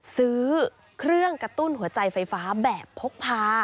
ซื้อเครื่องกระตุ้นหัวใจไฟฟ้าแบบพกพา